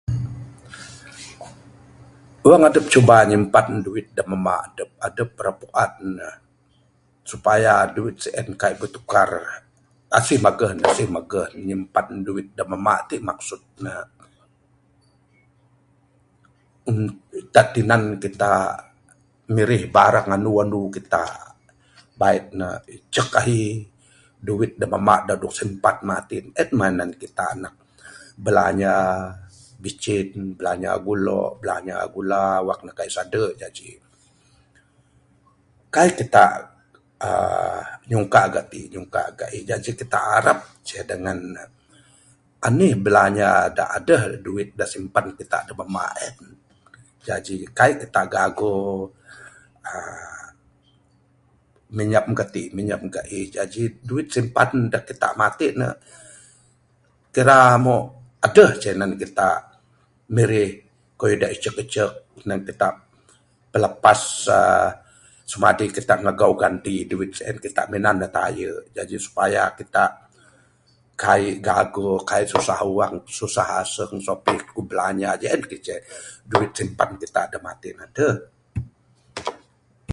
Wang adup cuba nyimpan duit da mamba' adup, adup ra pu'an supaya duit sien kaik bitukar asih maguh ne asih maguh ne. Nyimpan duit da mamba' tik maksud ne da tinan kitak mirih barang andu andu kitak bait ne icuk ahi. Duit da mamba da doh simpan matin, en mah nak nan kitak nak bilanja bicin, bilanja gulok, bilanja gula wang ne kaik sadu'. Jaji, kaik kitak uhh nyungkak gati' ngungkak ga'ih. Jaji kitak arap ce dengan anih belanja da aduh duit da simpan kitak da mambak en. Jaji kaik kitak gago uhh minjam gatik minjam ga'ih. Jaji duit da simpan da kitak matin ne kira moh aduh ce nan kitak mirih kayuh da icuk icuk nan kitak pilapas uhh semadi kitak ngagau ganti duit. En kitak minan ne tayu. Jaji supaya kitak kaik gago kaik susah awang, susah asung, suapih akuk bilanja. Su en ceh duit da simpan kitak matin. Kinaduh.